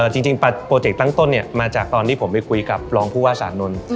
จริงโปรเจกต์ตั้งต้นมาจากตอนที่ผมไปคุยกับรองผู้ว่าสานนท์